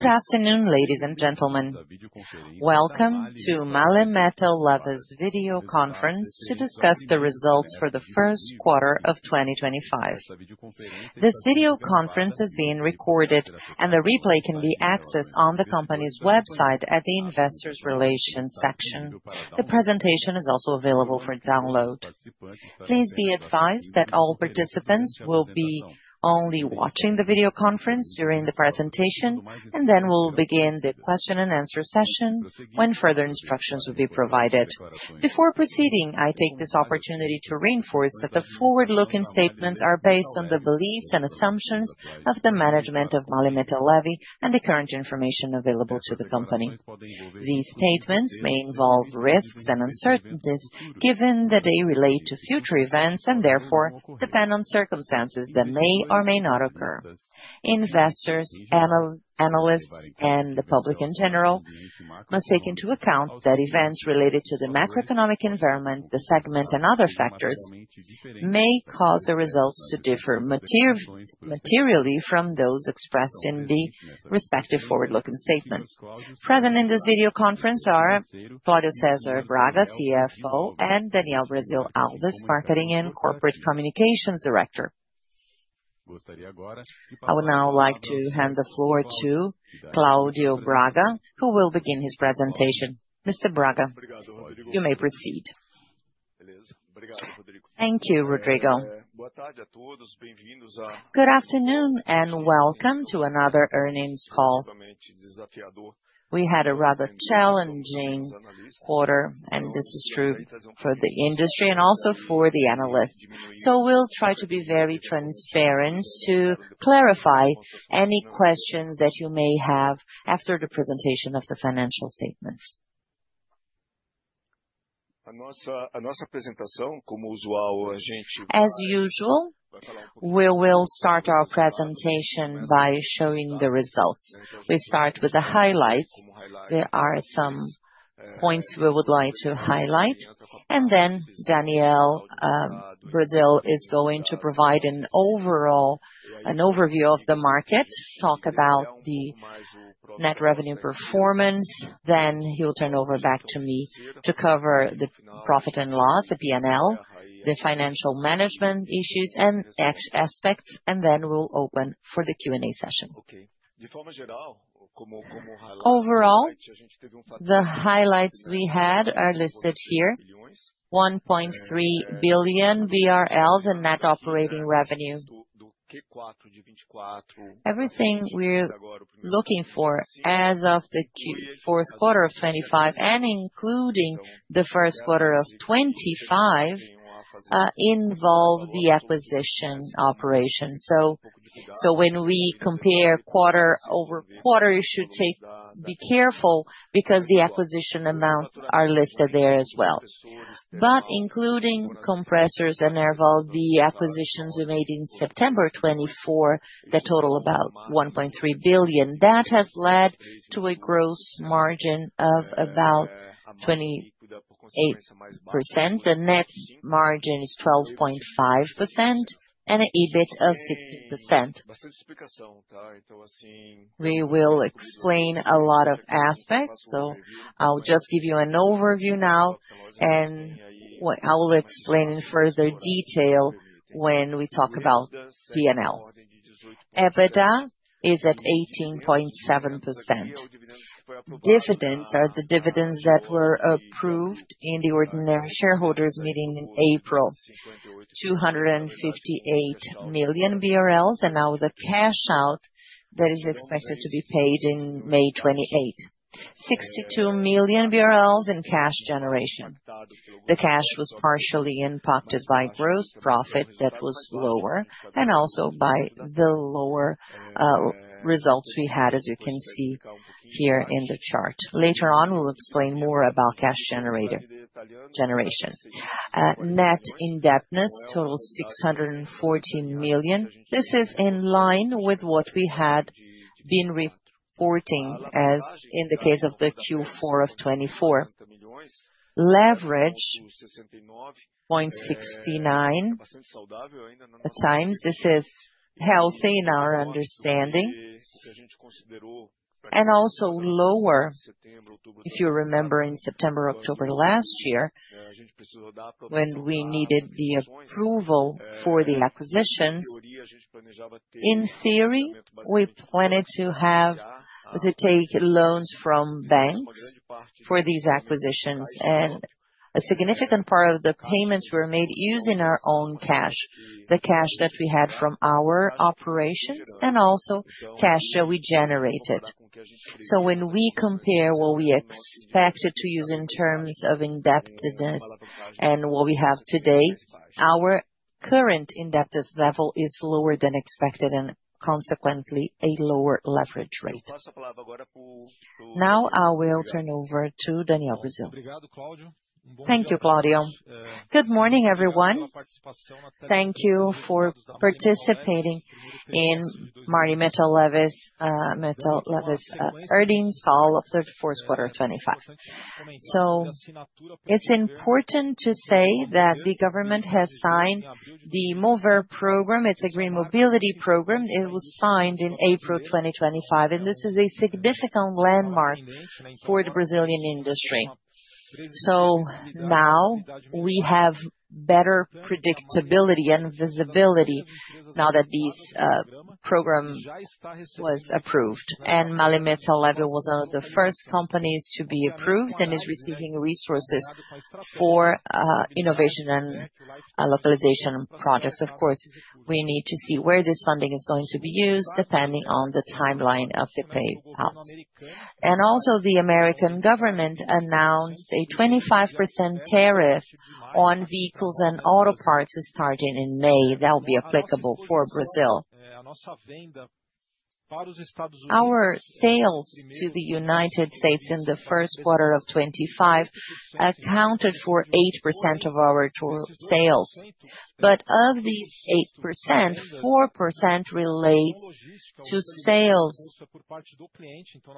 Good afternoon, ladies and gentlemen. Welcome to MAHLE Metal Leve's video conference to discuss the results for the first quarter of 2025. This video conference is being recorded, and the replay can be accessed on the company's website at the Investors Relations section. The presentation is also available for download. Please be advised that all participants will be only watching the video conference during the presentation, and then we'll begin the question and answer session when further instructions will be provided. Before proceeding, I take this opportunity to reinforce that the forward-looking statements are based on the beliefs and assumptions of the management of MAHLE Metal Leve and the current information available to the company. These statements may involve risks and uncertainties, given that they relate to future events and therefore depend on circumstances that may or may not occur. Investors, analysts, and the public in general must take into account that events related to the macroeconomic environment, the segment, and other factors may cause the results to differ materially from those expressed in the respective forward-looking statements. Present in this video conference are Claudio Cesar Braga, CFO, and Daniel Brasil Alves, Marketing and Corporate Communications Director. I would now like to hand the floor to Claudio Braga, who will begin his presentation. Mr. Braga, you may proceed. Thank you, Rodrigo. Good afternoon and welcome to another earnings call. We had a rather challenging quarter, and this is true for the industry and also for the analysts. We will try to be very transparent to clarify any questions that you may have after the presentation of the financial statements. As usual, we will start our presentation by showing the results. We start with the highlights. There are some points we would like to highlight, and then Daniel Brasil is going to provide an overview of the market, talk about the net revenue performance. Then he will turn over back to me to cover the profit and loss, the P&L, the financial management issues, and aspects, and then we'll open for the Q&A session. Overall, the highlights we had are listed here: 1.3 billion BRL in net operating revenue. Everything we're looking for as of the fourth quarter of 2025, and including the first quarter of 2025, involves the acquisition operation. When we compare quarter-over-quarter, you should be careful because the acquisition amounts are listed there as well. Including compressors and air valves, the acquisitions we made in September 2024, that total about 1.3 billion, that has led to a gross margin of about 28%. The net margin is 12.5% and an EBIT of 16%. We will explain a lot of aspects, so I'll just give you an overview now, and I will explain in further detail when we talk about P&L. EBITDA is at 18.7%. Dividends are the dividends that were approved in the ordinary shareholders' meeting in April: 258 million BRL, and now the cash out that is expected to be paid in May 2028: 62 million BRL in cash generation. The cash was partially impacted by gross profit that was lower and also by the lower results we had, as you can see here in the chart. Later on, we'll explain more about cash generation. Net indebtedness totaled 640 million. This is in line with what we had been reporting as in the case of the Q4 of 2024. Leverage 0.69 times, this is healthy in our understanding, and also lower. If you remember, in September, October last year, when we needed the approval for the acquisitions, in theory, we planned to take loans from banks for these acquisitions, and a significant part of the payments were made using our own cash, the cash that we had from our operations and also cash that we generated. When we compare what we expected to use in terms of indebtedness and what we have today, our current indebtedness level is lower than expected and consequently a lower leverage rate. Now I will turn over to Daniel Brasil. Thank you, Claudio. Good morning, everyone. Thank you for participating in MAHLE Metal Leve's earnings call of the fourth quarter of 2025. It is important to say that the government has signed the MOVER program. It is a green mobility program. It was signed in April 2025, and this is a significant landmark for the Brazilian industry. We have better predictability and visibility now that this program was approved, and MAHLE Metal Leve was one of the first companies to be approved and is receiving resources for innovation and localization projects. Of course, we need to see where this funding is going to be used, depending on the timeline of the payouts. Also, the American government announced a 25% tariff on vehicles and auto parts starting in May. That will be applicable for Brazil. Our sales to the United States in the first quarter of 2025 accounted for 8% of our total sales. Of these 8%, 4% relates to sales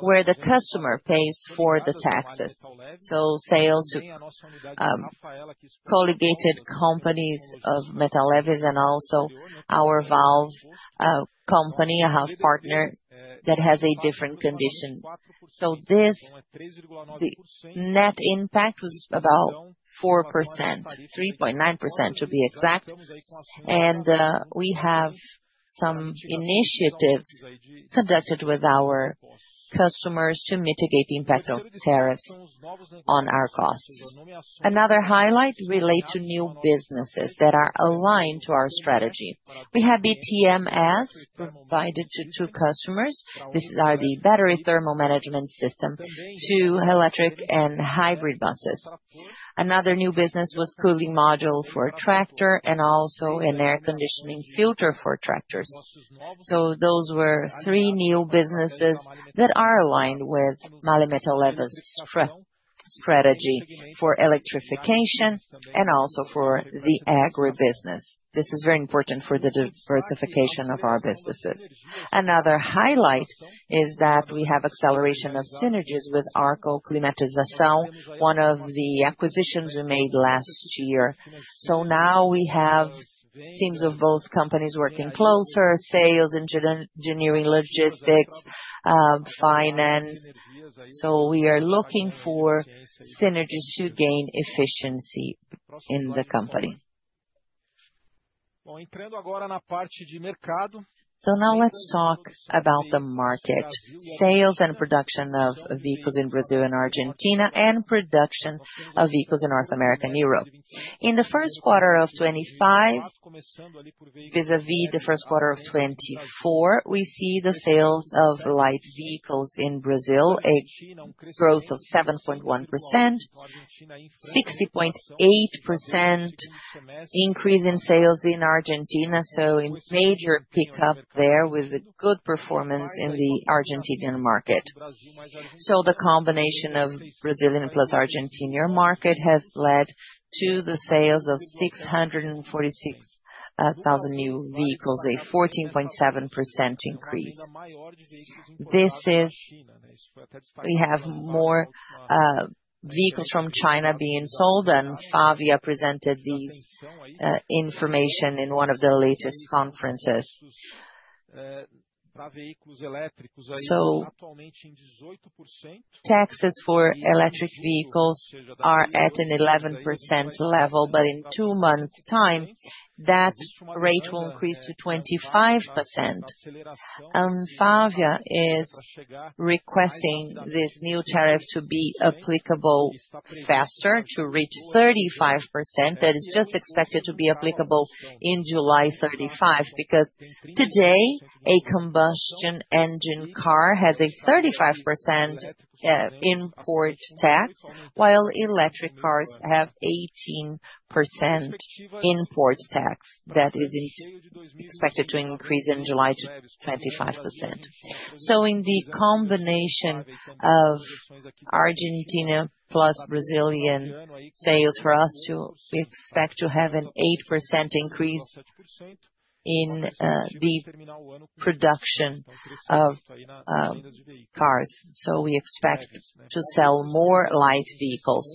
where the customer pays for the taxes. Sales to collocated companies of Metal Leve and also our valve company, a half-partner that has a different condition. The net impact was about 4%, 3.9% to be exact, and we have some initiatives conducted with our customers to mitigate the impact of tariffs on our costs. Another highlight relates to new businesses that are aligned to our strategy. We have BTMS provided to two customers. These are the battery thermal management system to electric and hybrid buses. Another new business was a cooling module for a tractor and also an air conditioning filter for tractors. Those were three new businesses that are aligned with MAHLE Metal Leve's strategy for electrification and also for the agribusiness. This is very important for the diversification of our businesses. Another highlight is that we have acceleration of synergies with Arco Climatização, one of the acquisitions we made last year. Now we have teams of both companies working closer: sales, engineering, logistics, finance. We are looking for synergies to gain efficiency in the company. Now let's talk about the market, sales and production of vehicles in Brazil and Argentina, and production of vehicles in North America and Europe. In the first quarter of 2025, vis-à-vis the first quarter of 2024, we see the sales of light vehicles in Brazil, a growth of 7.1%, 60.8% increase in sales in Argentina. A major pickup there with a good performance in the Argentinian market. The combination of Brazilian plus Argentinian market has led to the sales of 646,000 new vehicles, a 14.7% increase. We have more vehicles from China being sold, and Fabio presented this information in one of the latest conferences. Taxes for electric vehicles are at an 11% level, but in two months' time, that rate will increase to 25%. Fabio is requesting this new tariff to be applicable faster, to reach 35%. That is just expected to be applicable in July 2035 because today a combustion engine car has a 35% import tax, while electric cars have 18% import tax. That is expected to increase in July to 25%. In the combination of Argentina plus Brazilian sales, for us to expect to have an 8% increase in the production of cars. We expect to sell more light vehicles.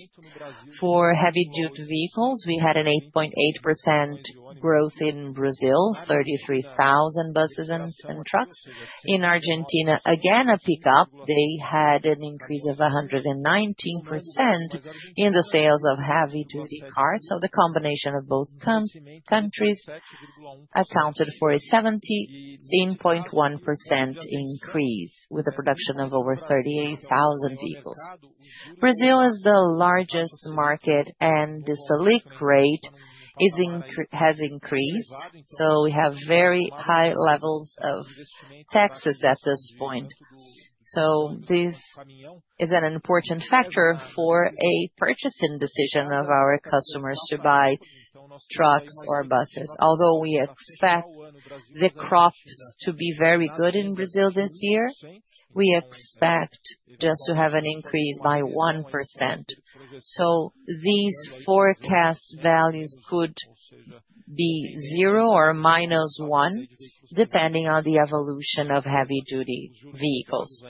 For heavy-duty vehicles, we had an 8.8% growth in Brazil, 33,000 buses and trucks. In Argentina, again a pickup. They had an increase of 119% in the sales of heavy-duty cars. The combination of both countries accounted for a 17.1% increase with the production of over 38,000 vehicles. Brazil is the largest market, and the salic rate has increased, so we have very high levels of taxes at this point. This is an important factor for a purchasing decision of our customers to buy trucks or buses. Although we expect the crops to be very good in Brazil this year, we expect just to have an increase by 1%. These forecast values could be zero or minus one, depending on the evolution of heavy-duty vehicles.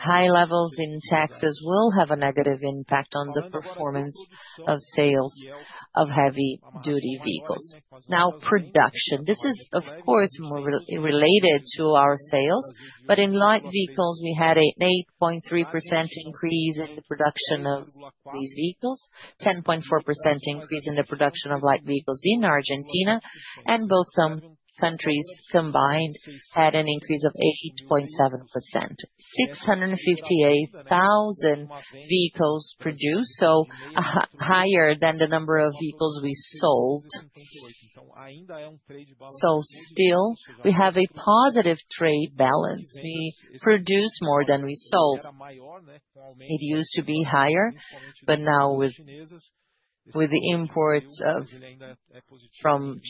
High levels in taxes will have a negative impact on the performance of sales of heavy-duty vehicles. Now, production. This is, of course, related to our sales, but in light vehicles, we had an 8.3% increase in the production of these vehicles, a 10.4% increase in the production of light vehicles in Argentina, and both countries combined had an increase of 8.7%. 658,000 vehicles produced, so higher than the number of vehicles we sold. So still, we have a positive trade balance. We produce more than we sold. It used to be higher, but now with the imports from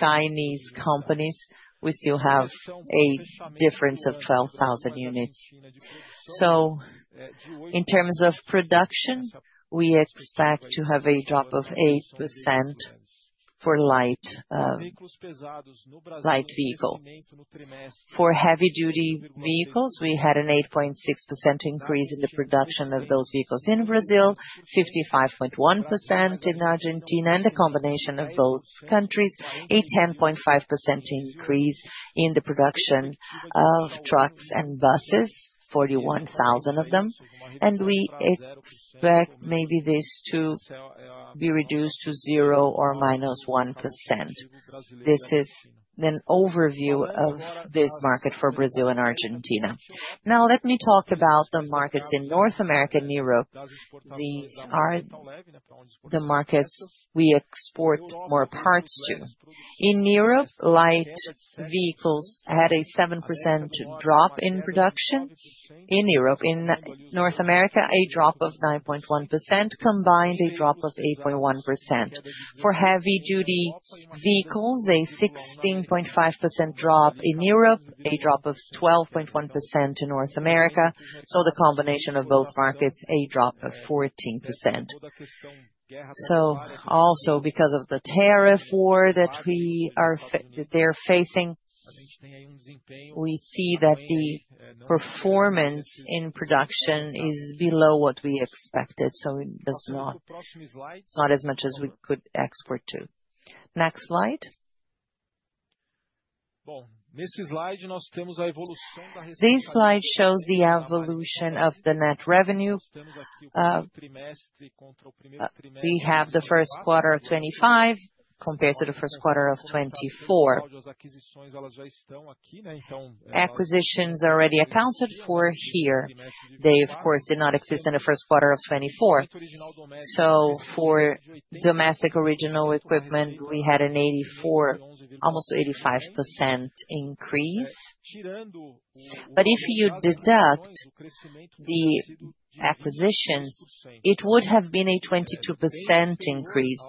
Chinese companies, we still have a difference of 12,000 units. In terms of production, we expect to have a drop of 8% for light vehicles. For heavy-duty vehicles, we had an 8.6% increase in the production of those vehicles in Brazil, 55.1% in Argentina, and the combination of both countries, a 10.5% increase in the production of trucks and buses, 41,000 of them. We expect maybe this to be reduced to zero or minus 1%. This is an overview of this market for Brazil and Argentina. Now, let me talk about the markets in North America and Europe. These are the markets we export more parts to. In Europe, light vehicles had a 7% drop in production. In Europe, in North America, a drop of 9.1%, combined a drop of 8.1%. For heavy-duty vehicles, a 16.5% drop in Europe, a drop of 12.1% in North America. The combination of both markets, a drop of 14%. Also, because of the tariff war that they're facing, we see that the performance in production is below what we expected. It's not as much as we could export to. Next slide. This slide shows the evolution of the net revenue. We have the first quarter of 2025 compared to the first quarter of 2024. Acquisitions are already accounted for here. They, of course, did not exist in the first quarter of 2024. For domestic original equipment, we had an 84%, almost 85% increase. If you deduct the acquisitions, it would have been a 22% increase,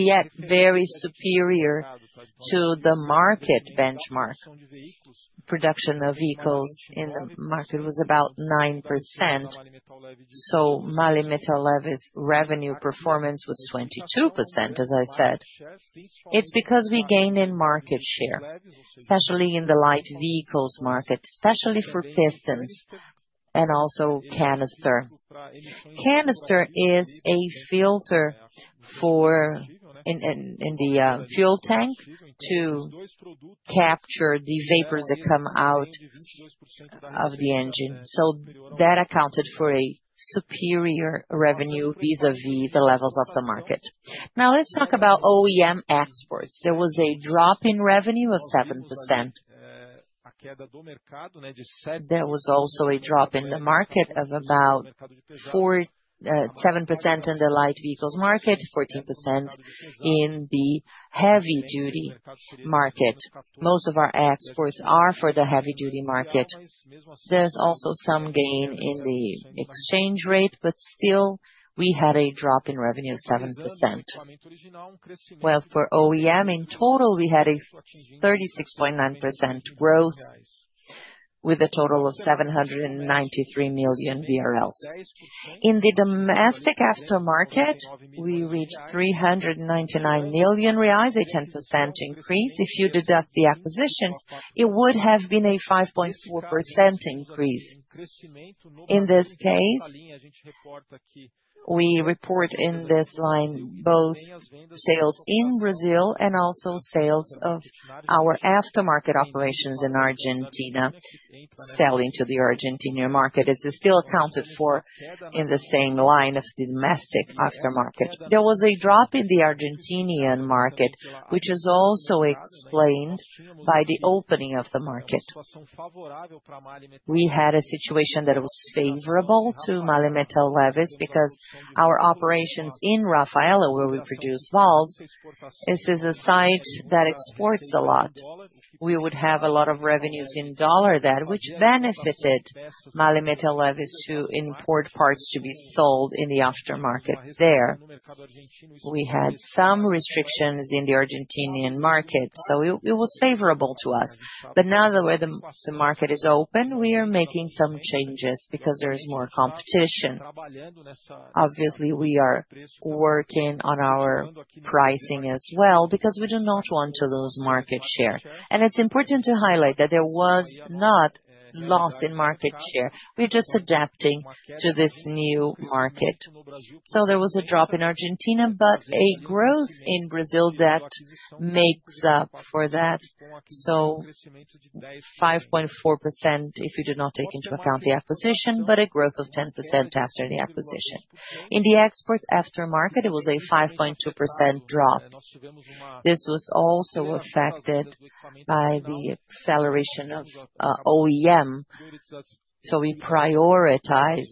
yet very superior to the market benchmark. Production of vehicles in the market was about 9%. MAHLE Metal Leve's revenue performance was 22%, as I said. It's because we gained in market share, especially in the light vehicles market, especially for pistons and also canister. Canister is a filter in the fuel tank to capture the vapors that come out of the engine. That accounted for a superior revenue vis-à-vis the levels of the market. Now, let's talk about OEM exports. There was a drop in revenue of 7%. There was also a drop in the market of about 7% in the light vehicles market, 14% in the heavy-duty market. Most of our exports are for the heavy-duty market. There's also some gain in the exchange rate, but still, we had a drop in revenue of 7%. For OEM in total, we had a 36.9% growth with a total of 793 million. In the domestic aftermarket, we reached 399 million reais, a 10% increase. If you deduct the acquisitions, it would have been a 5.4% increase. In this case, we report in this line both sales in Brazil and also sales of our aftermarket operations in Argentina selling to the Argentinian market. It is still accounted for in the same line of the domestic aftermarket. There was a drop in the Argentinian market, which is also explained by the opening of the market. We had a situation that was favorable to MAHLE Metal Leve because our operations in Rafaela, where we produce valves, this is a site that exports a lot. We would have a lot of revenues in dollars there, which benefited MAHLE Metal Leve to import parts to be sold in the aftermarket there. We had some restrictions in the Argentinian market, so it was favorable to us. Now that the market is open, we are making some changes because there is more competition. Obviously, we are working on our pricing as well because we do not want to lose market share. It is important to highlight that there was not loss in market share. We are just adapting to this new market. There was a drop in Argentina, but a growth in Brazil that makes up for that. 5.4% if you do not take into account the acquisition, but a growth of 10% after the acquisition. In the exports aftermarket, it was a 5.2% drop. This was also affected by the acceleration of OEM, so we prioritize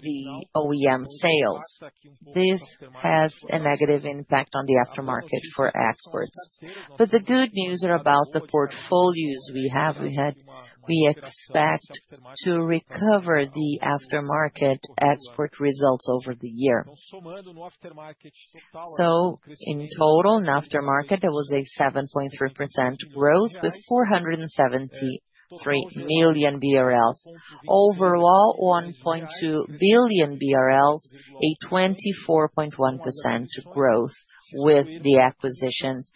the OEM sales. This has a negative impact on the aftermarket for exports. The good news is about the portfolios we have. We expect to recover the aftermarket export results over the year. In total, in aftermarket, there was a 7.3% growth with 473 million BRL. Overall, 1.2 billion BRL, a 24.1% growth with the acquisitions.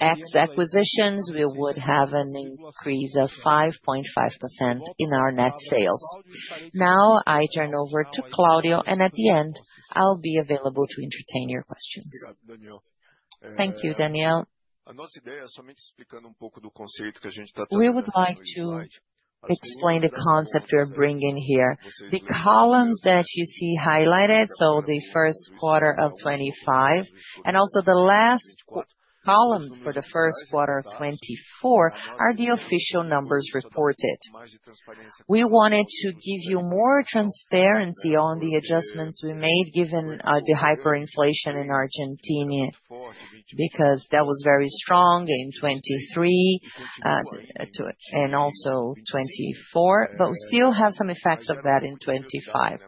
Ex-acquisitions, we would have an increase of 5.5% in our net sales. Now, I turn over to Claudio, and at the end, I'll be available to entertain your questions. Thank you, Daniel. We would like to explain the concept we are bringing here. The columns that you see highlighted, so the first quarter of 2025 and also the last column for the first quarter of 2024, are the official numbers reported. We wanted to give you more transparency on the adjustments we made given the hyperinflation in Argentina because that was very strong in 2023 and also 2024, but we still have some effects of that in 2025.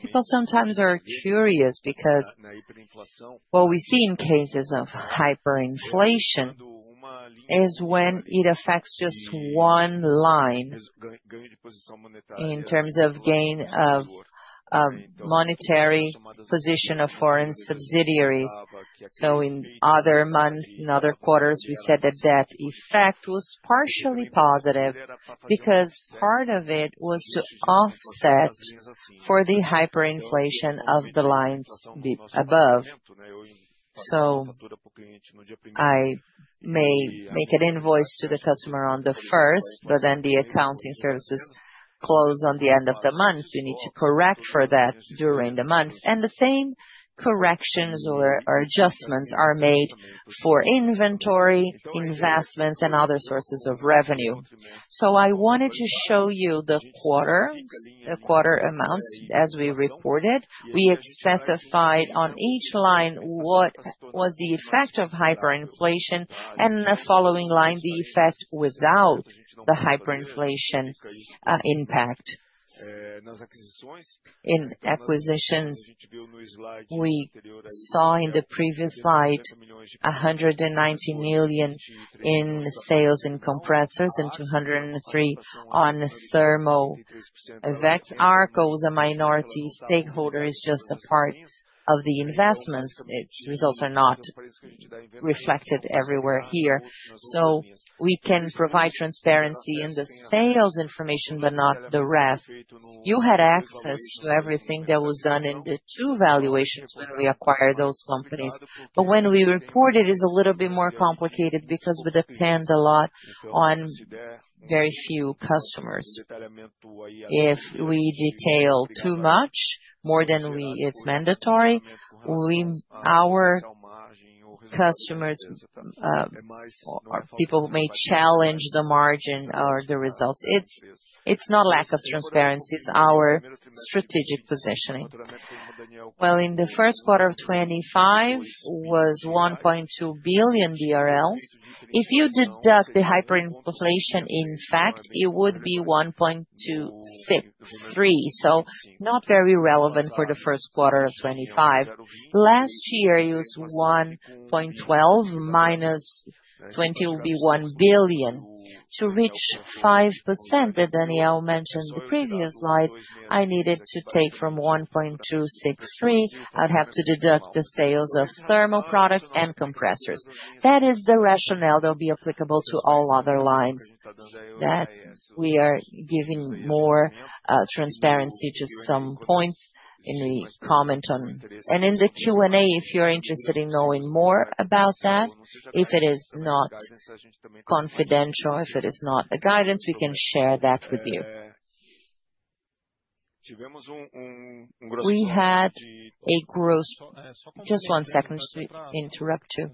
People sometimes are curious because what we see in cases of hyperinflation is when it affects just one line in terms of gain of monetary position of foreign subsidiaries. In other months, in other quarters, we said that that effect was partially positive because part of it was to offset for the hyperinflation of the lines above. I may make an invoice to the customer on the first, but then the accounting services close on the end of the month. You need to correct for that during the month, and the same corrections or adjustments are made for inventory, investments, and other sources of revenue. I wanted to show you the quarter amounts as we reported. We specified on each line what was the effect of hyperinflation and the following line, the effect without the hyperinflation impact. In acquisitions, we saw in the previous slide 190 million in sales in compressors and 203 million on thermal effects. Arco is a minority stakeholder; it is just a part of the investments. Its results are not reflected everywhere here. We can provide transparency in the sales information, but not the rest. You had access to everything that was done in the two valuations when we acquired those companies. When we report it, it is a little bit more complicated because we depend a lot on very few customers. If we detail too much, more than is mandatory, our customers or people may challenge the margin or the results. It is not lack of transparency; it is our strategic positioning. In the first quarter of 2025, it was 1.2 billion. If you deduct the hyperinflation, in fact, it would be 1.263 billion, so not very relevant for the first quarter of 2025. Last year, it was 1.12 billion - 20 million, will be 1 billion. To reach 5% that Daniel mentioned in the previous slide, I needed to take from 1.263 billion. I'd have to deduct the sales of thermal products and compressors. That is the rationale that will be applicable to all other lines. We are giving more transparency to some points in the comment on. In the Q&A, if you're interested in knowing more about that, if it is not confidential, if it is not a guidance, we can share that with you. We had a gross—. Just one second to interrupt you.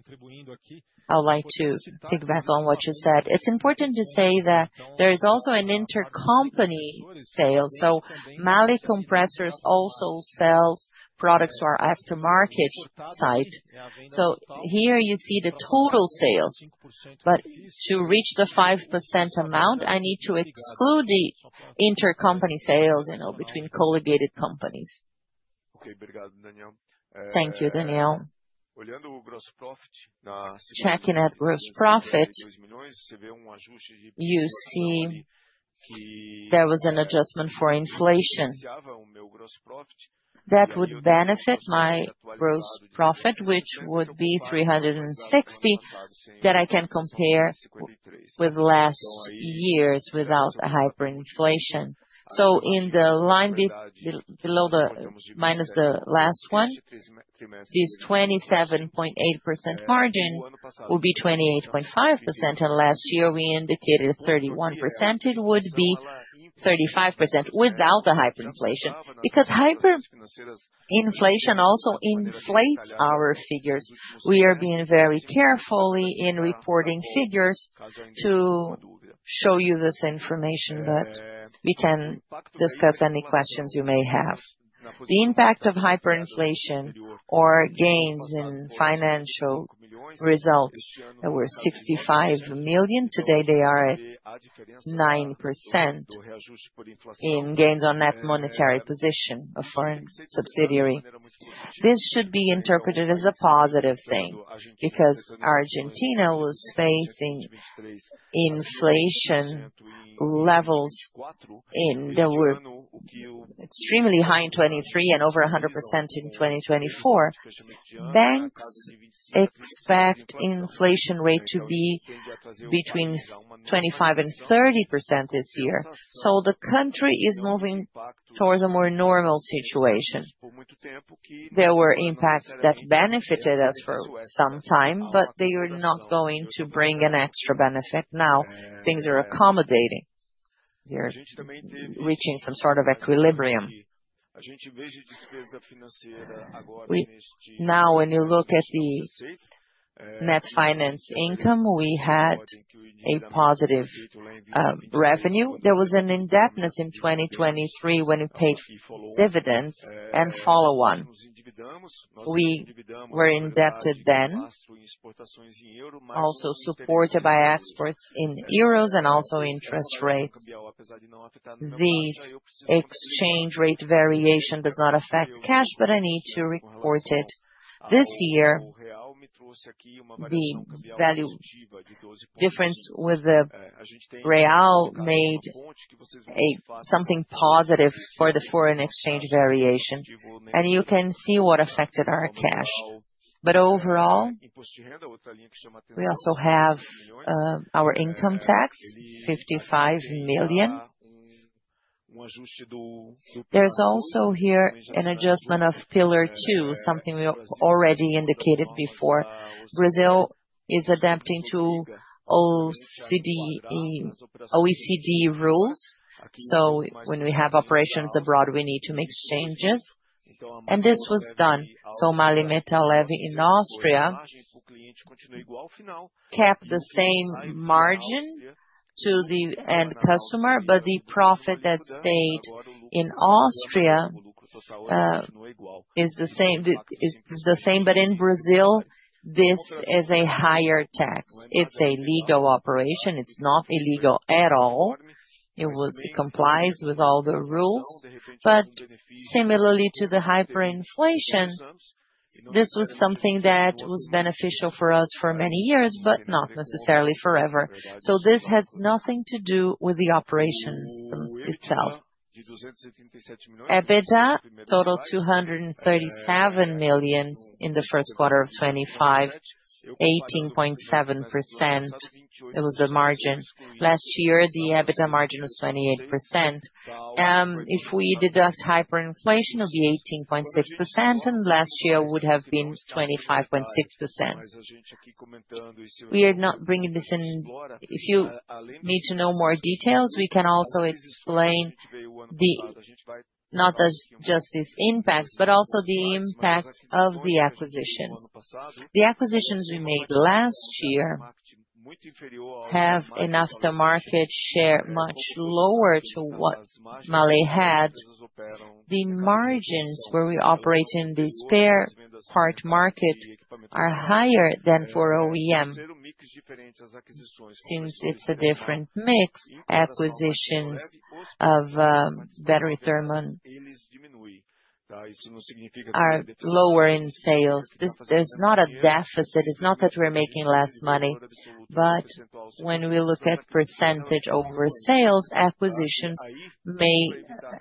I would like to piggyback on what you said. It's important to say that there is also an intercompany sale. So MAHLE Compressors also sells products to our aftermarket site. Here you see the total sales, but to reach the 5% amount, I need to exclude the intercompany sales between collocated companies. Thank you, Daniel. Checking at gross profit, you see there was an adjustment for inflation. That would benefit my gross profit, which would be 360 million that I can compare with last year's without a hyperinflation. In the line below the minus the last one, this 27.8% margin will be 28.5%, and last year we indicated 31%. It would be 35% without a hyperinflation because hyperinflation also inflates our figures. We are being very careful in reporting figures to show you this information, but we can discuss any questions you may have. The impact of hyperinflation or gains in financial results that were 65 million today, they are at 9% in gains on net monetary position of foreign subsidiary. This should be interpreted as a positive thing because Argentina was facing inflation levels that were extremely high in 2023 and over 100% in 2024. Banks expect inflation rate to be between 25%-30% this year. The country is moving towards a more normal situation. There were impacts that benefited us for some time, but they are not going to bring an extra benefit. Now things are accommodating. They are reaching some sort of equilibrium. Now, when you look at the net finance income, we had a positive revenue. There was an indebtedness in 2023 when we paid dividends and follow-on. We were indebted then, also supported by exports in EUR and also interest rates. The exchange rate variation does not affect cash, but I need to report it. This year, the value difference with the real made something positive for the foreign exchange variation, and you can see what affected our cash. Overall, we also have our income tax, BRL 55 million. There is also here an adjustment of Pillar Two, something we already indicated before. Brazil is adapting to OECD rules, so when we have operations abroad, we need to make changes. This was done. MAHLE Metal Leve in Austria kept the same margin to the end customer, but the profit that stayed in Austria is the same. It is the same, but in Brazil, this is a higher tax. It is a legal operation. It is not illegal at all. It complies with all the rules. Similarly to the hyperinflation, this was something that was beneficial for us for many years, but not necessarily forever. This has nothing to do with the operations itself. EBITDA. Total 237 million in the first quarter of 2025, 18.7%. It was the margin. Last year, the EBITDA margin was 28%. If we deduct hyperinflation, it would be 18.6%, and last year would have been 25.6%. We are not bringing this in. If you need to know more details, we can also explain not just these impacts, but also the impacts of the acquisitions. The acquisitions we made last year have an aftermarket share much lower to what MAHLE had. The margins where we operate in this fair part market are higher than for OEM since it is a different mix. Acquisitions of battery thermal are lower in sales. There is not a deficit. It's not that we're making less money, but when we look at percentage over sales, acquisitions may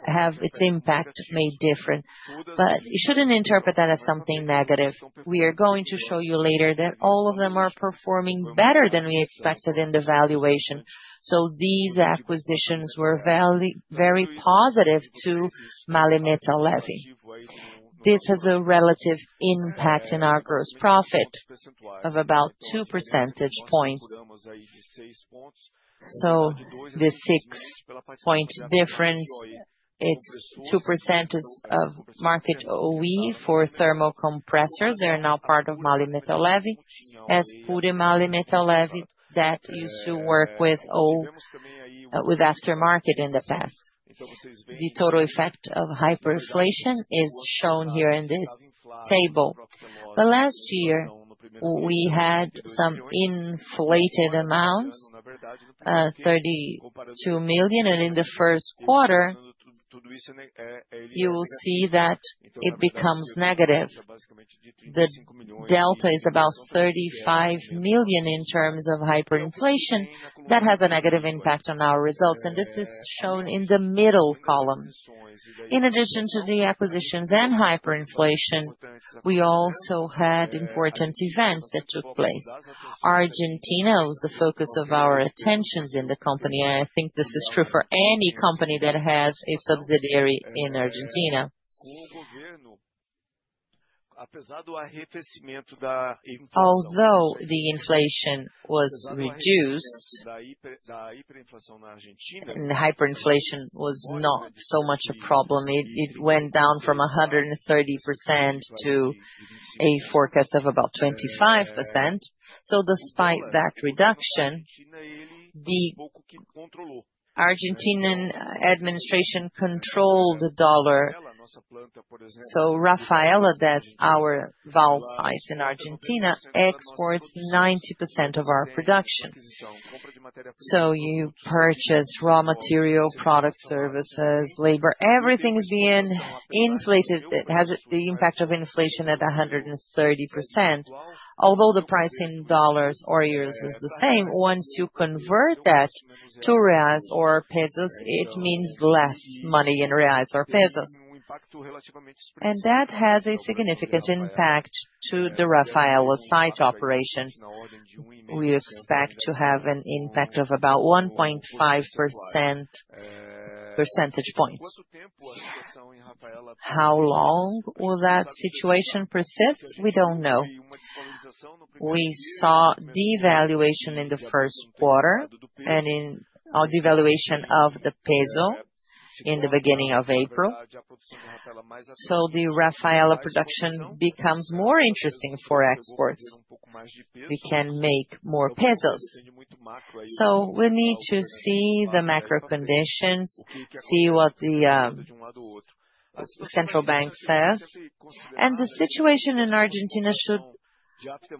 have its impact made different. You shouldn't interpret that as something negative. We are going to show you later that all of them are performing better than we expected in the valuation. These acquisitions were very positive to MAHLE Metal Leve. This has a relative impact in our gross profit of about 2 percentage points. The 6-point difference, it's 2% of market OE for thermal compressors. They're now part of MAHLE Metal Leve, as pure MAHLE Metal Leve that used to work with aftermarket in the past. The total effect of hyperinflation is shown here in this table. Last year, we had some inflated amounts, 32 million, and in the first quarter, you will see that it becomes negative. The delta is about 35 million in terms of hyperinflation. That has a negative impact on our results, and this is shown in the middle column. In addition to the acquisitions and hyperinflation, we also had important events that took place. Argentina was the focus of our attentions in the company, and I think this is true for any company that has a subsidiary in Argentina. Although the inflation was reduced, the hyperinflation was not so much a problem. It went down from 130% to a forecast of about 25%. Despite that reduction, the Argentine administration controlled the dollar. Rafaela, that's our valve site in Argentina, exports 90% of our production. You purchase raw material, products, services, labor. Everything is being inflated. It has the impact of inflation at 130%. Although the price in dollars or euros is the same, once you convert that to BRL or ARS, it means less money in BRL or ARS. That has a significant impact to the Rafaela site operations. We expect to have an impact of about 1.5 percentage points. How long will that situation persist? We do not know. We saw devaluation in the first quarter and in devaluation of the peso in the beginning of April. The Rafaela production becomes more interesting for exports. We can make more pesos. We need to see the macro conditions, see what the central bank says. The situation in Argentina should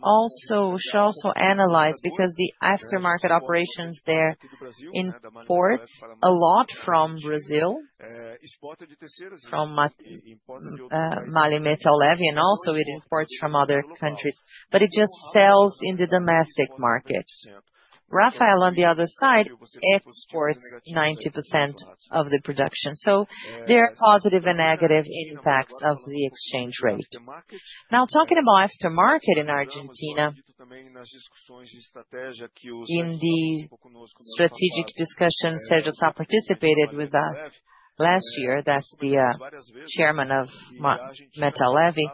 also be analyzed because the aftermarket operations there import a lot from Brazil, from MAHLE Metal Leve, and also import from other countries, but just sell in the domestic market. Rafaela, on the other side, exports 90% of the production. There are positive and negative impacts of the exchange rate. Now, talking about aftermarket in Argentina, in the strategic discussions, Sergio Sá participated with us last year. That's the Chairman of Metal Leve.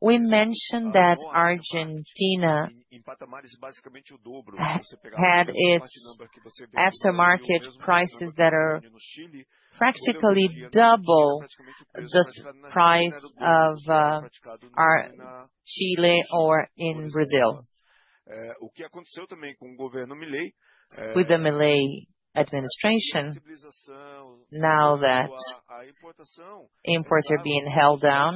We mentioned that Argentina had its aftermarket prices that are practically double the price of Chile or in Brazil. With the Milei administration, now that imports are being held down,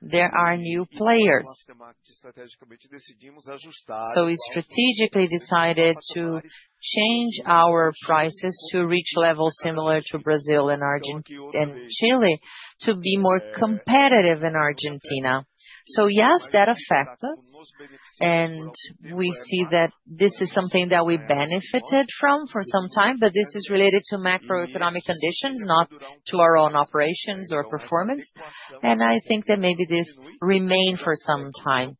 there are new players. We strategically decided to change our prices to reach levels similar to Brazil and Chile to be more competitive in Argentina. Yes, that affects us, and we see that this is something that we benefited from for some time, but this is related to macroeconomic conditions, not to our own operations or performance. I think that maybe this remains for some time.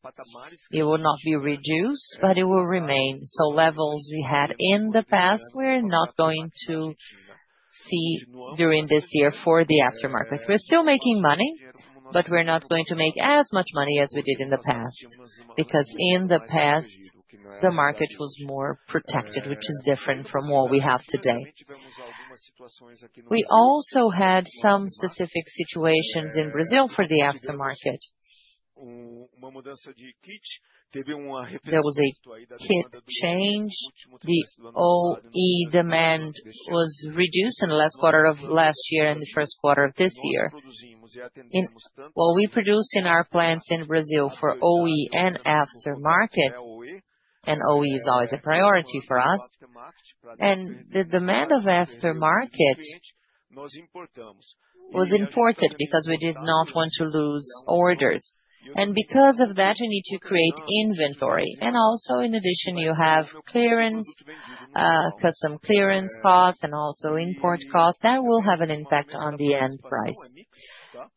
It will not be reduced, but it will remain. Levels we had in the past, we're not going to see during this year for the aftermarket. We're still making money, but we're not going to make as much money as we did in the past because in the past, the market was more protected, which is different from what we have today. We also had some specific situations in Brazil for the aftermarket. There was a hit change. The OE demand was reduced in the last quarter of last year and the first quarter of this year. What we produce in our plants in Brazil for OE and aftermarket, and OE is always a priority for us, and the demand of aftermarket was imported because we did not want to lose orders. Because of that, you need to create inventory. In addition, you have clearance, custom clearance costs, and also import costs that will have an impact on the end price.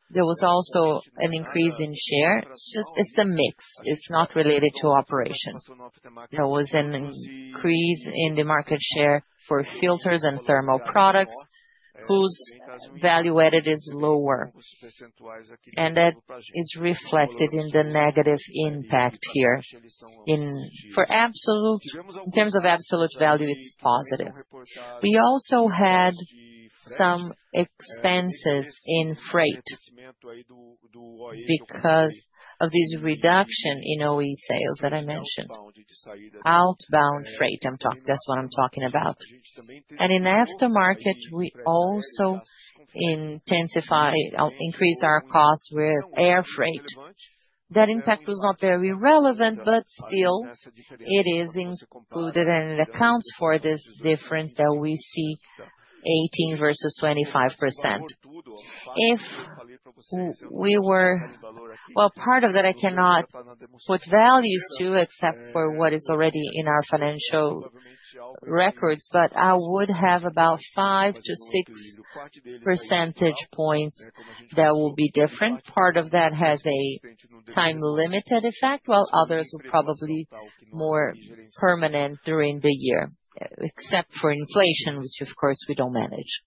There was also an increase in share. It's just a mix. It's not related to operations. There was an increase in the market share for filters and thermal products whose value added is lower, and that is reflected in the negative impact here. In terms of absolute value, it's positive. We also had some expenses in freight because of this reduction in OE sales that I mentioned. Outbound freight, that's what I'm talking about. In aftermarket, we also increased our costs with air freight. That impact was not very relevant, but still, it is included and it accounts for this difference that we see, 18% versus 25%. If we were, part of that I cannot put values to except for what is already in our financial records, but I would have about 5-6 percentage points that will be different. Part of that has a time-limited effect, while others will probably be more permanent during the year, except for inflation, which, of course, we do not manage.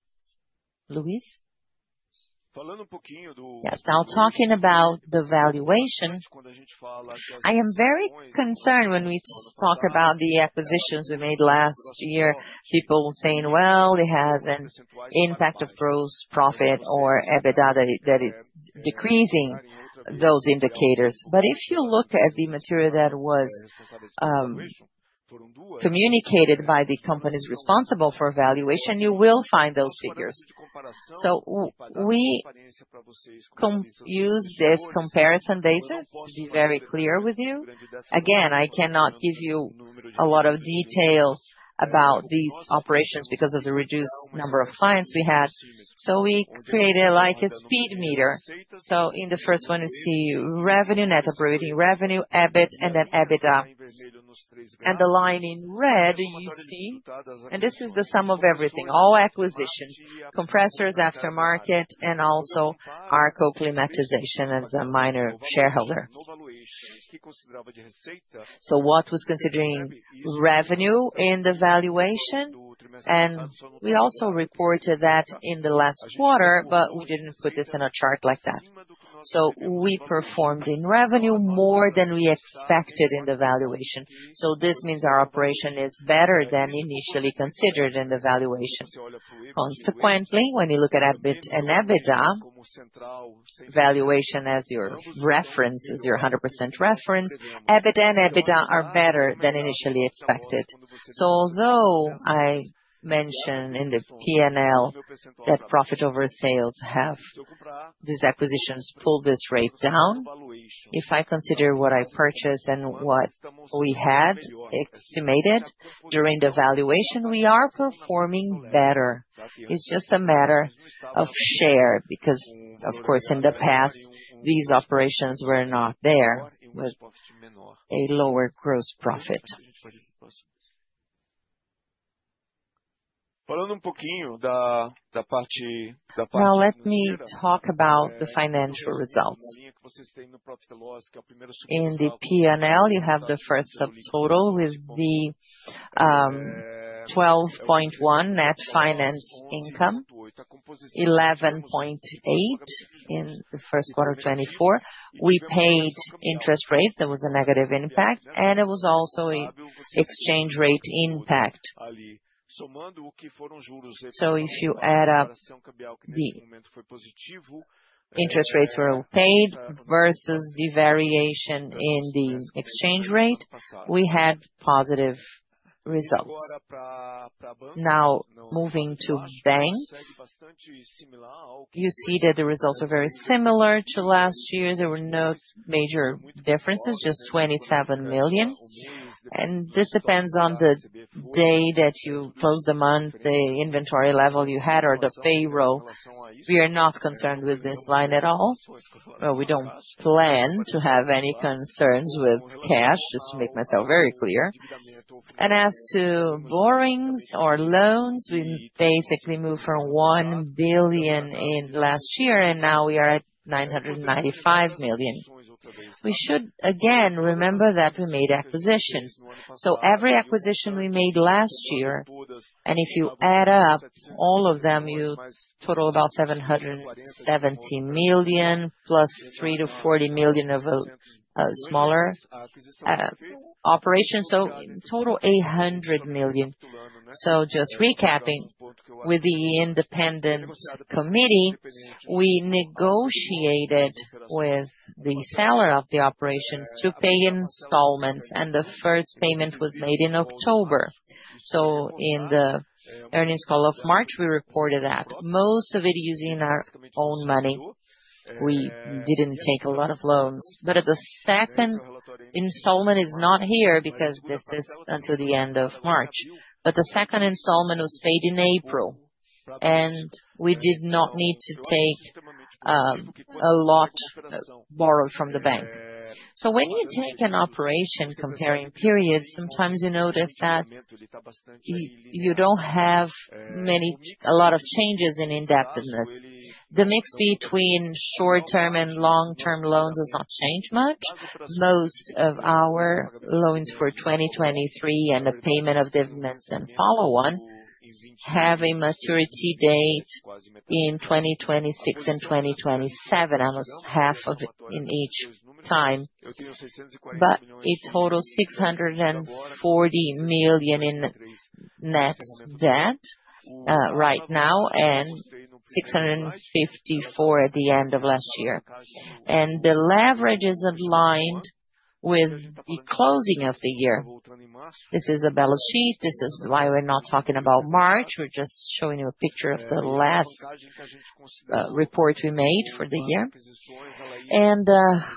Yes, now talking about the valuation, I am very concerned when we talk about the acquisitions we made last year. People were saying it has an impact of gross profit or EBITDA that it is decreasing those indicators. If you look at the material that was communicated by the companies responsible for valuation, you will find those figures. We use this comparison basis to be very clear with you. Again, I cannot give you a lot of details about these operations because of the reduced number of clients we had. We created like a speed meter. In the first one, you see revenue, net operating revenue, EBIT, and then EBITDA. The line in red, you see, this is the sum of everything, all acquisitions, compressors, aftermarket, and also Arco Climatização as a minor shareholder. What was considered revenue in the valuation? We also reported that in the last quarter, but we did not put this in a chart like that. We performed in revenue more than we expected in the valuation. This means our operation is better than initially considered in the valuation. Consequently, when you look at EBIT and EBITDA, valuation as your reference, as your 100% reference, EBIT and EBITDA are better than initially expected. Although I mentioned in the P&L that profit over sales, these acquisitions pulled this rate down, if I consider what I purchased and what we had estimated during the valuation, we are performing better. It's just a matter of share because, of course, in the past, these operations were not there, but a lower gross profit. Now let me talk about the financial results. In the P&L, you have the first subtotal with the 12.1 million net finance income, 11.8 million in the first quarter of 2024. We paid interest rates. There was a negative impact, and it was also an exchange rate impact. If you add up the interest rates we paid versus the variation in the exchange rate, we had positive results. Now moving to banks, you see that the results are very similar to last year. There were no major differences, just 27 million. This depends on the day that you close the month, the inventory level you had, or the payroll. We are not concerned with this line at all. We do not plan to have any concerns with cash, just to make myself very clear. As to borrowings or loans, we basically moved from 1 billion last year, and now we are at 995 million. We should again remember that we made acquisitions. Every acquisition we made last year, and if you add up all of them, you total about 770 million + 3-40 million of a smaller operation. Total 800 million. Just recapping, with the independent committee, we negotiated with the seller of the operations to pay installments, and the first payment was made in October. In the earnings call of March, we reported that most of it was using our own money. We did not take a lot of loans, but the second installment is not here because this is until the end of March. The second installment was paid in April, and we did not need to take a lot borrowed from the bank. When you take an operation comparing periods, sometimes you notice that you do not have a lot of changes in indebtedness. The mix between short-term and long-term loans has not changed much. Most of our loans for 2023 and the payment of dividends and follow-on have a maturity date in 2026 and 2027, almost half of it in each time. A total of 640 million in net debt right now and 654 million at the end of last year. The leverage is aligned with the closing of the year. This is a balance sheet. This is why we are not talking about March. We are just showing you a picture of the last report we made for the year.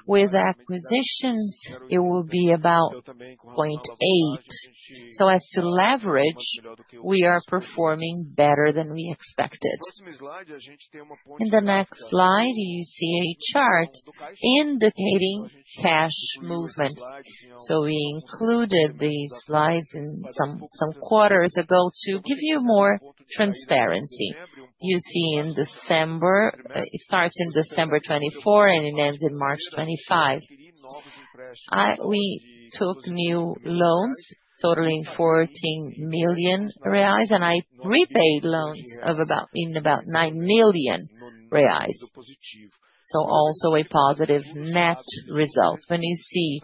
With acquisitions, it will be about 0.8. As to leverage, we are performing better than we expected. In the next slide, you see a chart indicating cash movement. We included these slides some quarters ago to give you more transparency. You see in December, it starts in December 2024, and it ends in March 2025. We took new loans totaling 14 million reais, and I prepaid loans in about 9 million reais. Also a positive net result. When you see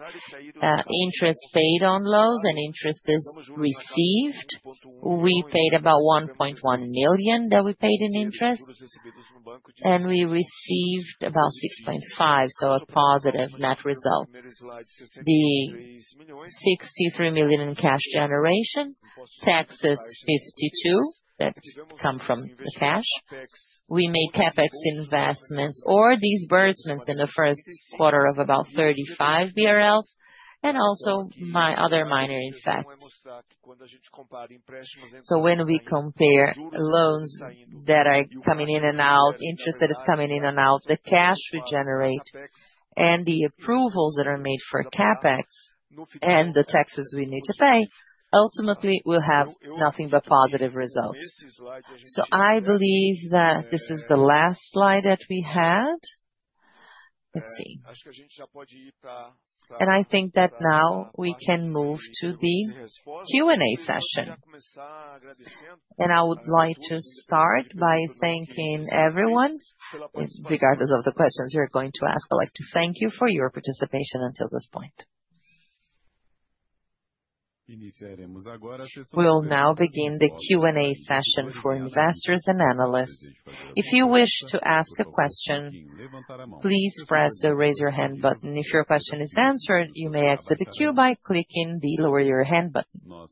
interest paid on loans and interest received, we paid about 1.1 million that we paid in interest, and we received about 6.5 million, so a positive net result. The 63 million in cash generation, taxes 52 million that come from the cash. We made CapEx investments or disbursements in the first quarter of about 35 million BRL and also my other minor effects. When we compare loans that are coming in and out, interest that is coming in and out, the cash we generate, and the approvals that are made for CapEx and the taxes we need to pay, ultimately, we'll have nothing but positive results. I believe that this is the last slide that we had. Let's see. I think that now we can move to the Q&A session. I would like to start by thanking everyone. Regardless of the questions you're going to ask, I'd like to thank you for your participation until this point. We'll now begin the Q&A session for investors and analysts. If you wish to ask a question, please press the raise your hand button. If your question is answered, you may exit the queue by clicking the lower your hand button.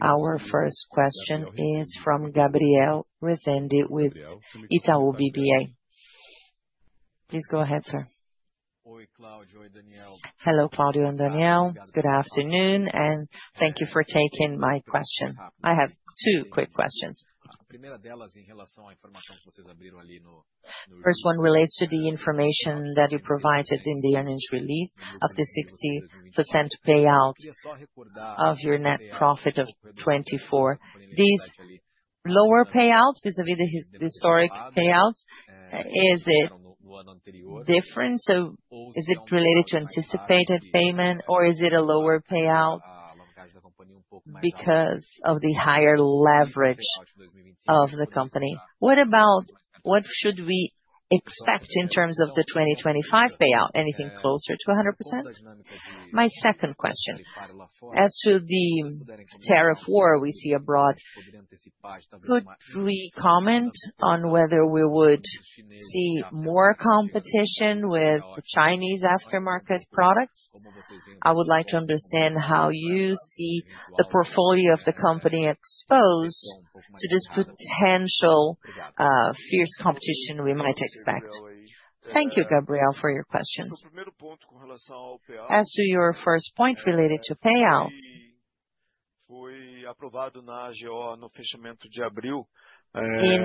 Our first question is from Gabriel Rezende with Itaú BBA. Please go ahead, sir. Hello, Claudio and Daniel. Good afternoon, and thank you for taking my question. I have two quick questions. First one relates to the information that you provided in the earnings release of the 60% payout of your net profit of 2024. These lower payouts vis-à-vis the historic payouts, is it different? Is it related to anticipated payment, or is it a lower payout because of the higher leverage of the company? What should we expect in terms of the 2025 payout? Anything closer to 100%? My second question, as to the tariff war we see abroad, could you comment on whether we would see more competition with Chinese aftermarket products? I would like to understand how you see the portfolio of the company exposed to this potential fierce competition we might expect. Thank you, Gabriel, for your questions. As to your first point related to payout, in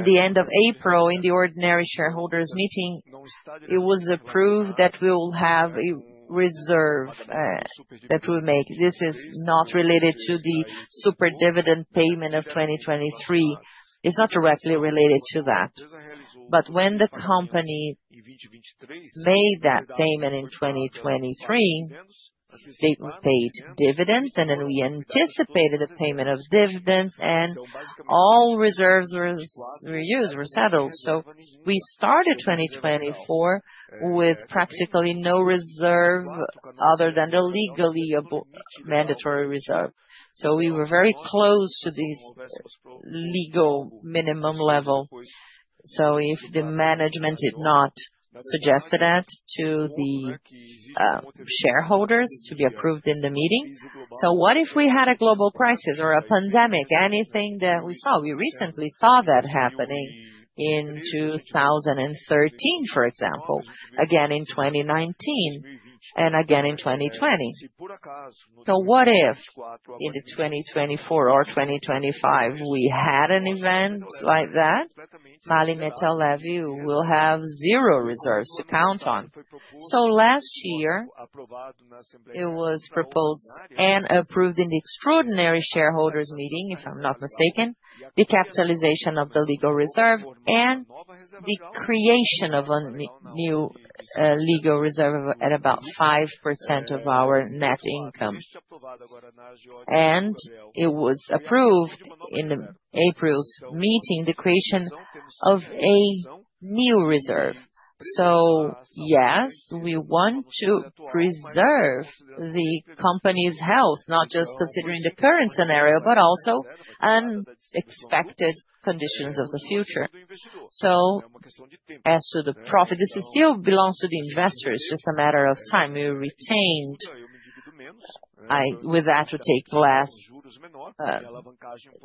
the end of April, in the ordinary shareholders' meeting, it was approved that we will have a reserve that we will make. This is not related to the super dividend payment of 2023. It's not directly related to that. When the company made that payment in 2023, they paid dividends, and then we anticipated the payment of dividends, and all reserves were used, were settled. We started 2024 with practically no reserve other than the legally mandatory reserve. We were very close to this legal minimum level. If the management did not suggest that to the shareholders to be approved in the meeting, what if we had a global crisis or a pandemic? Anything that we saw? We recently saw that happening in 2013, for example, again in 2019, and again in 2020. What if in 2024 or 2025 we had an event like that? MAHLE Metal Leve will have zero reserves to count on. Last year, it was proposed and approved in the extraordinary shareholders' meeting, if I'm not mistaken, the capitalization of the legal reserve and the creation of a new legal reserve at about 5% of our net income. It was approved in April's meeting, the creation of a new reserve. Yes, we want to preserve the company's health, not just considering the current scenario, but also unexpected conditions of the future. As to the profit, this still belongs to the investors. It's just a matter of time. We retained, with that, we take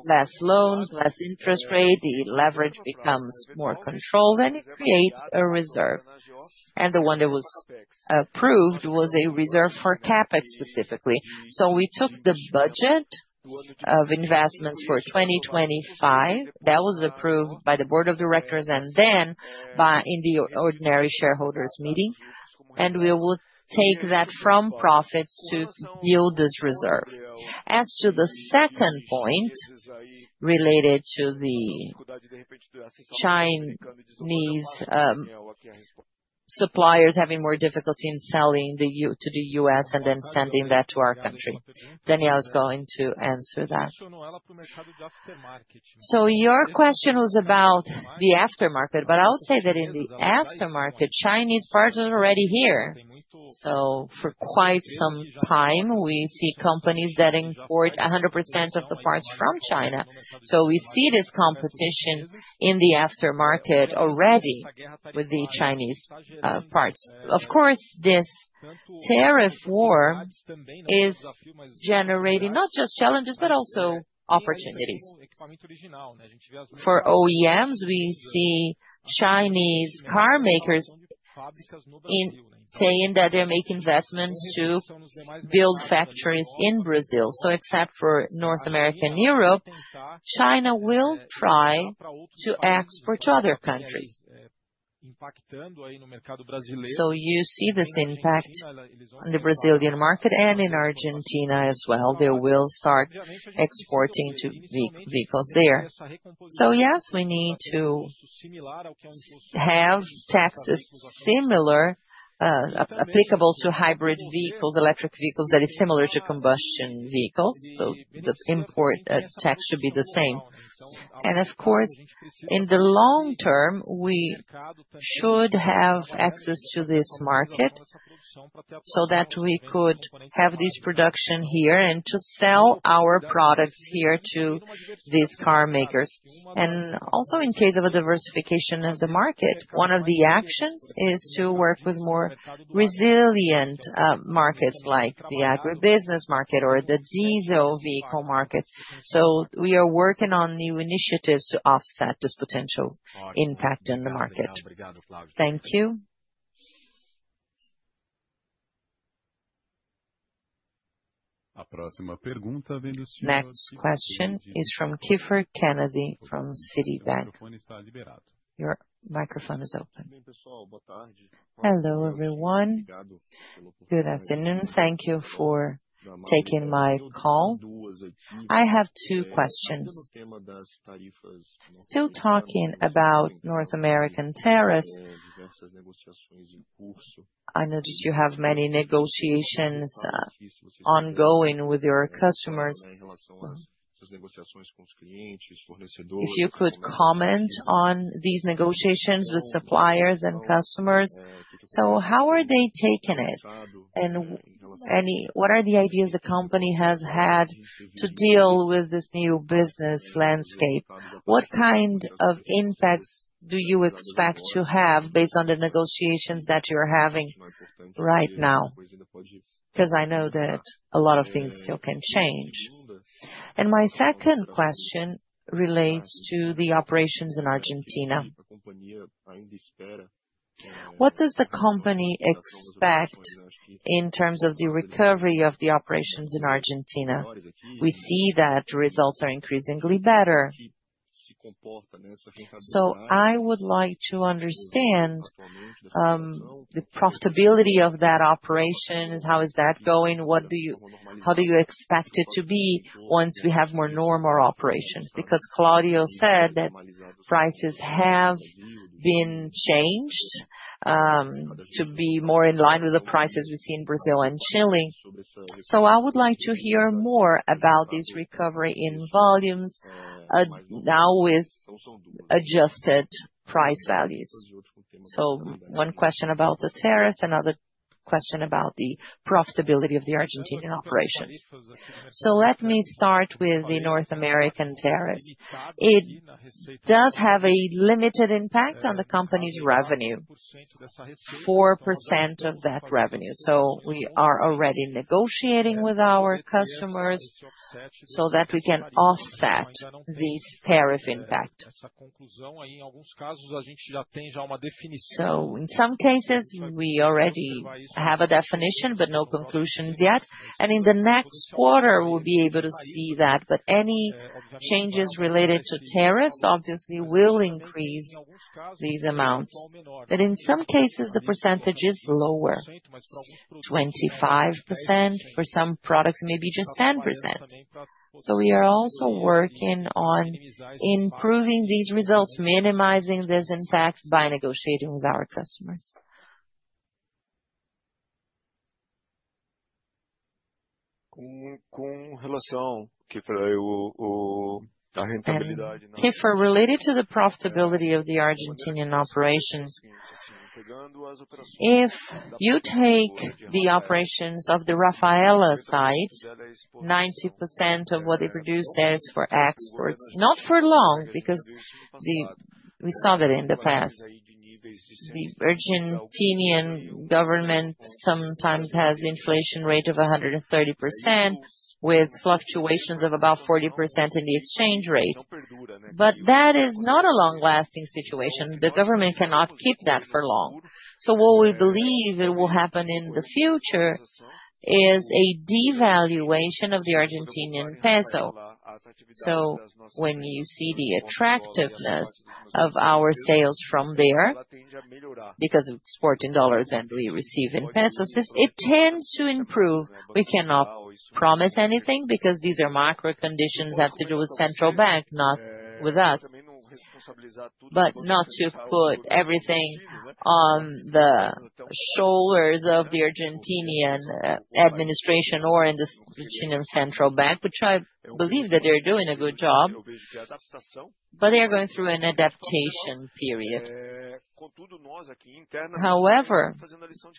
less loans, less interest rate. The leverage becomes more controlled and you create a reserve. The one that was approved was a reserve for CapEx specifically. We took the budget of investments for 2025. That was approved by the board of directors and then in the ordinary shareholders' meeting. We will take that from profits to build this reserve. As to the second point related to the Chinese suppliers having more difficulty in selling to the U.S. and then sending that to our country. Daniel is going to answer that. Your question was about the aftermarket, but I would say that in the aftermarket, Chinese parts are already here. For quite some time, we see companies that import 100% of the parts from China. We see this competition in the aftermarket already with the Chinese parts. Of course, this tariff war is generating not just challenges, but also opportunities. For OEMs, we see Chinese carmakers saying that they make investments to build factories in Brazil. Except for North America and Europe, China will try to export to other countries. You see this impact on the Brazilian market and in Argentina as well. They will start exporting vehicles there. Yes, we need to have taxes applicable to hybrid vehicles and electric vehicles that are similar to combustion vehicles. The import tax should be the same. Of course, in the long term, we should have access to this market so that we could have this production here and sell our products here to these carmakers. Also, in case of a diversification of the market, one of the actions is to work with more resilient markets like the agribusiness market or the diesel vehicle market. We are working on new initiatives to offset this potential impact in the market. Thank you. Next question is from Kiepher Kennedy from Citibank. Your microphone is open. Hello everyone. Good afternoon. Thank you for taking my call. I have two questions. Still talking about North American tariffs, I noticed you have many negotiations ongoing with your customers. If you could comment on these negotiations with suppliers and customers. How are they taking it? What are the ideas the company has had to deal with this new business landscape? What kind of impacts do you expect to have based on the negotiations that you're having right now? I know that a lot of things still can change. My second question relates to the operations in Argentina. What does the company expect in terms of the recovery of the operations in Argentina? We see that results are increasingly better. I would like to understand the profitability of that operation. How is that going? How do you expect it to be once we have more normal operations? Because Claudio said that prices have been changed to be more in line with the prices we see in Brazil and Chile. I would like to hear more about this recovery in volumes now with adjusted price values. One question about the tariffs, another question about the profitability of the Argentinian operations. Let me start with the North American tariffs. It does have a limited impact on the company's revenue, 4% of that revenue. We are already negotiating with our customers so that we can offset this tariff impact. In some cases, we already have a definition, but no conclusions yet. In the next quarter, we'll be able to see that. Any changes related to tariffs, obviously, will increase these amounts. In some cases, the percentage is lower, 25% for some products, maybe just 10%. We are also working on improving these results, minimizing this impact by negotiating with our customers. Kiefer, related to the profitability of the Argentinian operations, if you take the operations of the Rafaela site, 90% of what they produce there is for exports, not for long, because we saw that in the past. The Argentinian government sometimes has an inflation rate of 130% with fluctuations of about 40% in the exchange rate. That is not a long-lasting situation. The government cannot keep that for long. What we believe will happen in the future is a devaluation of the Argentinian peso. When you see the attractiveness of our sales from there, because of exporting dollars and we receive in pesos, it tends to improve. We cannot promise anything because these are macro conditions that have to do with Central Bank, not with us. Not to put everything on the shoulders of the Argentinian administration or the Argentinian Central Bank, which I believe that they're doing a good job, but they're going through an adaptation period. However,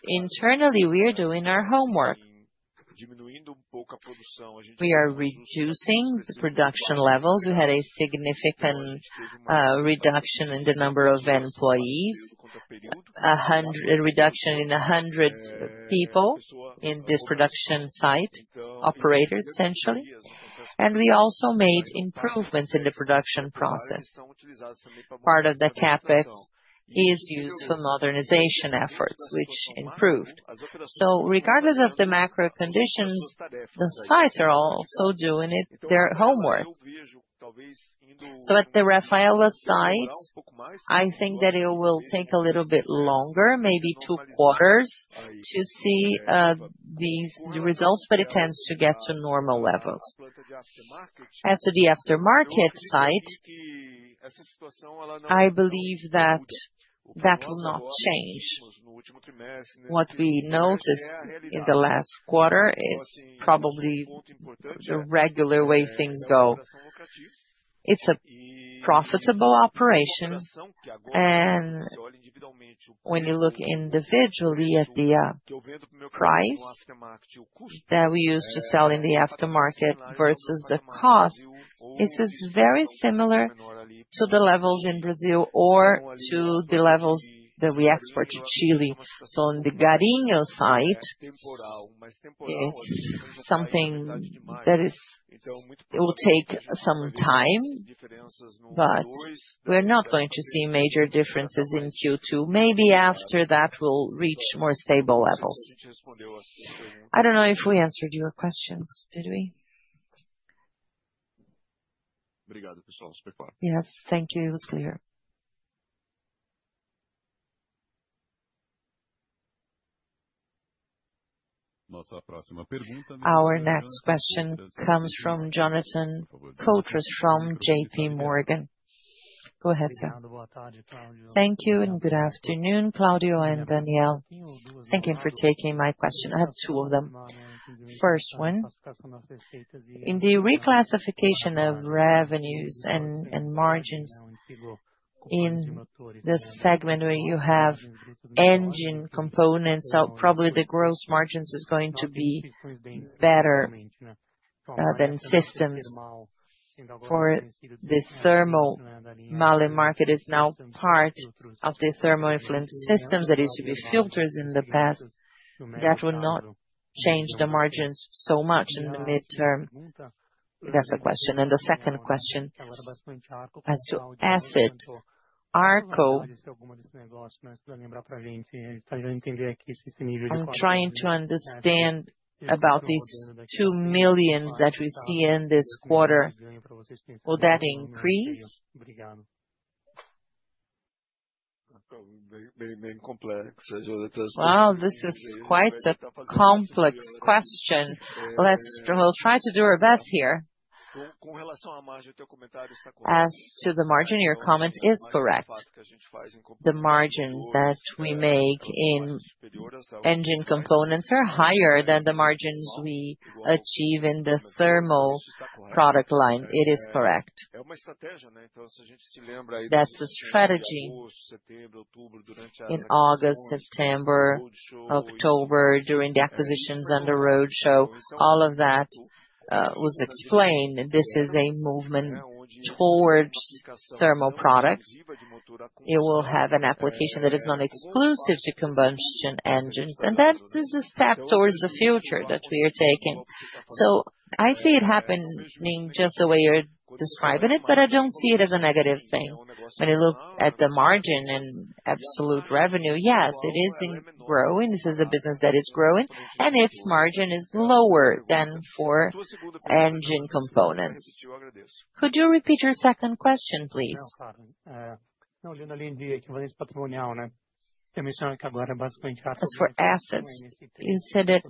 internally, we're doing our homework. We are reducing the production levels. We had a significant reduction in the number of employees, a reduction of 100 people in this production site operator, essentially. We also made improvements in the production process. Part of the CapEx is used for modernization efforts, which improved. Regardless of the macro conditions, the sites are also doing their homework. At the Rafaela site, I think that it will take a little bit longer, maybe two quarters, to see these results, but it tends to get to normal levels. As to the aftermarket site, I believe that will not change. What we noticed in the last quarter is probably the regular way things go. It's a profitable operation. When you look individually at the price that we use to sell in the aftermarket versus the cost, it is very similar to the levels in Brazil or to the levels that we export to Chile. In the Garinho site, it's something that will take some time, but we're not going to see major differences in Q2. Maybe after that, we'll reach more stable levels. I don't know if we answered your questions, did we? Yes, thank you. It was clear. Our next question comes from Jonathan Koutras from JPMorgan. Go ahead, sir. Thank you and good afternoon, Claudio and Daniel. Thank you for taking my question. I have two of them. First one, in the reclassification of revenues and margins in the segment where you have engine components, so probably the gross margins are going to be better than systems for the thermal. MAHLE market is now part of the thermal influence systems that used to be filters in the past. That will not change the margins so much in the midterm. That's the question. The second question has to asset Arco. I'm trying to understand about these 2 million that we see in this quarter. Will that increase? Wow, this is quite a complex question. We'll try to do our best here. As to the margin, your comment is correct. The margins that we make in engine components are higher than the margins we achieve in the thermal product line. It is correct. That's the strategy in August, September, October, during the acquisitions and the roadshow. All of that was explained. This is a movement towards thermal products. It will have an application that is not exclusive to combustion engines. That is a step towards the future that we are taking. I see it happening just the way you're describing it, but I don't see it as a negative thing. When you look at the margin and absolute revenue, yes, it is growing. This is a business that is growing, and its margin is lower than for engine components. Could you repeat your second question, please? As for assets, you said that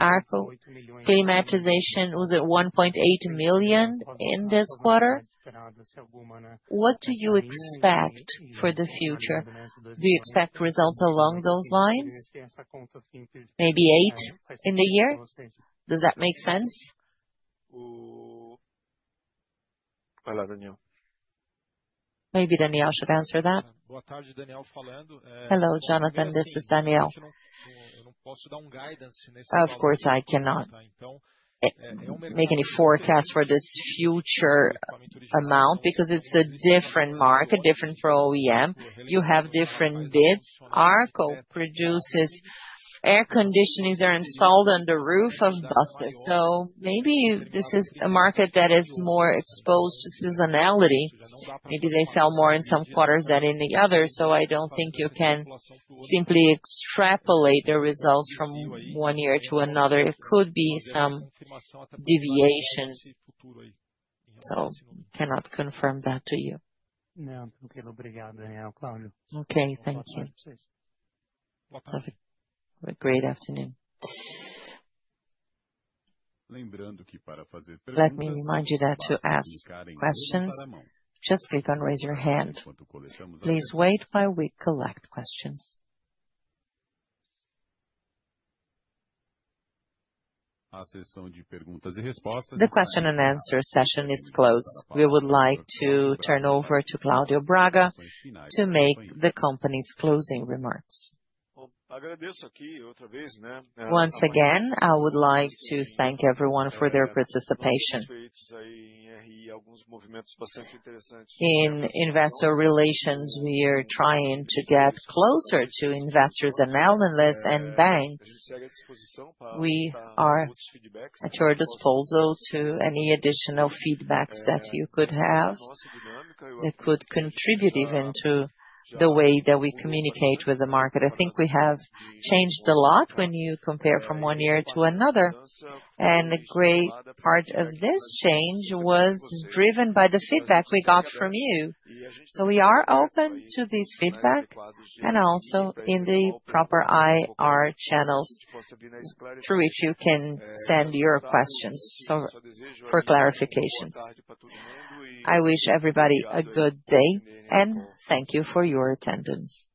Arco Climatização was at 1.8 million in this quarter. What do you expect for the future? Do you expect results along those lines? Maybe 8 million in the year? Does that make sense? Maybe Daniel should answer that. Hello, Jonathan, this is Daniel. Of course, I cannot make any forecast for this future amount because it's a different market, different for OEM. You have different bids. Arco produces air conditioners that are installed on the roof of buses. Maybe this is a market that is more exposed to seasonality. Maybe they sell more in some quarters than in the others. I don't think you can simply extrapolate the results from one year to another. It could be some deviation. I cannot confirm that to you. Okay, thank you. Have a great afternoon. Let me remind you that to ask questions, just click on raise your hand. Please wait while we collect questions. The question and answer session is closed. We would like to turn over to Claudio Braga to make the company's closing remarks. Once again, I would like to thank everyone for their participation. In investor relations, we are trying to get closer to investors and analysts and banks. We are at your disposal for any additional feedback that you could have that could contribute even to the way that we communicate with the market. I think we have changed a lot when you compare from one year to another. A great part of this change was driven by the feedback we got from you. We are open to this feedback and also in the proper IR channels through which you can send your questions for clarifications. I wish everybody a good day and thank you for your attendance.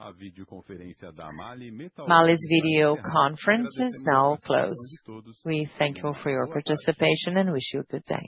MAHLE's video conference is now closed. We thank you for your participation and wish you a good day.